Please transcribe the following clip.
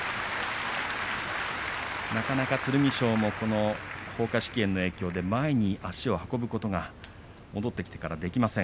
なかなか剣翔もほうか織炎の影響で前に足を運ぶことが戻ってきてから、できません。